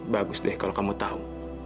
bagus deh kalau kamu tahu